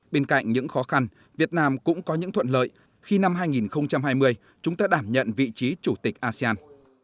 bên cạnh những khó khăn việt nam cũng có những thuận lợi khi năm hai nghìn hai mươi chúng ta đảm nhận vị trí chủ tịch asean